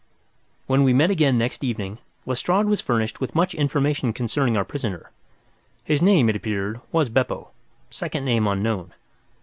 When we met again next evening, Lestrade was furnished with much information concerning our prisoner. His name, it appeared, was Beppo, second name unknown.